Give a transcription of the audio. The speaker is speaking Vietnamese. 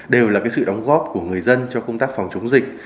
đều là sự đóng góp của người dân cho công tác phòng chống dịch